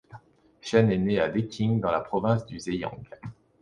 Shen est né à Deqing dans la province du Zhejiang.